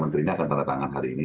menteri ini akan tandatangan hari ini